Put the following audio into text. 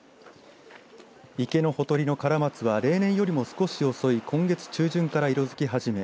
池のほとりのカラマツは例年よりも少し遅い今月中旬から色づき始め